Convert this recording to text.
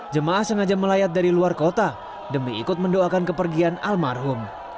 jemaah sengaja melayat dari luar kota demi ikut mendoakan kepergian almarhum